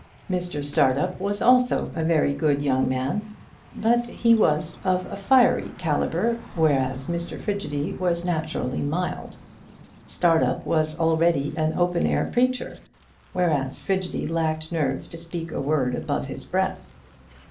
Mr Startup was also a very good young man, but he was of a fiery calibre, whereas Frigidy was naturally mild. Startup was already an open air preacher, whereas Frigidy lacked nerve to speak a word above his breath.